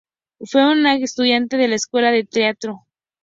Fue un estudiante de la escuela de teatro Cours Florent.